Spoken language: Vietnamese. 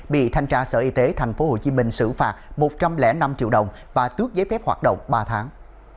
bị thanh tra sở y tế thành phố hồ chí minh xử phạt một trăm linh năm triệu đồng và tước giấy phép hoạt động ba tháng